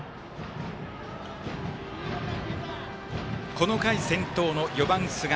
この回先頭の４番、寿賀。